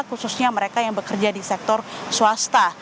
khususnya mereka yang bekerja di sektor swasta